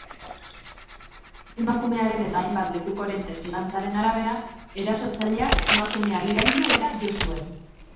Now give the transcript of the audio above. Emakumearen eta hainbat lekukoren testigantzaren arabera, erasotzaileak emakumea iraindu eta jo zuen.